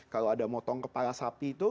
kalau ada motong kepala sapi itu